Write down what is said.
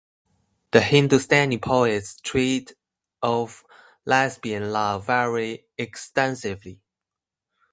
The Hindustani poets treat of lesbian love very extensively.